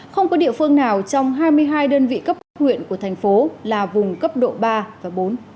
không có địa phương nào trong hai mươi hai đơn vị cấp nguyện của tp hcm là vùng cấp độ ba và bốn